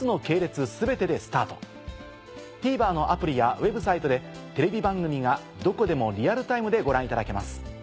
ＴＶｅｒのアプリやＷｅｂサイトでテレビ番組がどこでもリアルタイムでご覧いただけます。